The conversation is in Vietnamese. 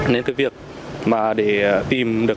nên cái việc mà để tìm được cái tài khoản ngân hàng